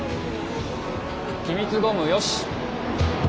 気密ゴムよし！